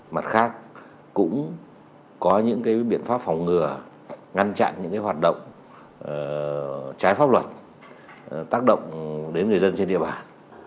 mặt khác cũng có những biện pháp phòng ngừa ngăn chặn những hoạt động trái pháp luật tác động đến người dân trên địa bàn